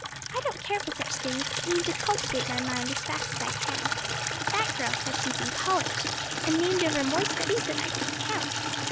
I don't care for such things, but mean to cultivate my mind as fast as I can. That girl says she is in college, and named over more studies than I can count.